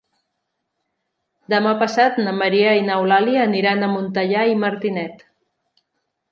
Demà passat na Maria i n'Eulàlia aniran a Montellà i Martinet.